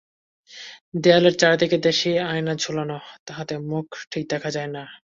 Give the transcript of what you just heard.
দেয়ালের চারিদিকে দেশী আয়না ঝুলানাে, তাহাতে মুখ ঠিক দেখা যায় না।